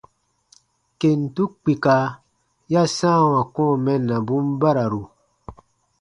Kentu kpika ya sãawa kɔ̃ɔ mɛnnabun bararu.